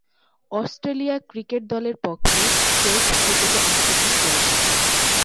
Australia cricket দলের পক্ষে test ক্রিকেটে অংশগ্রহণ করেছেন।